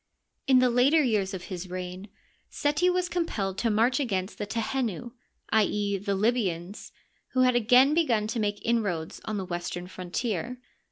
In the later years of his reign Seti was compelled to march against the Tehenu — i. e., the Libyans, who had again begun to make inroads on the western frontier.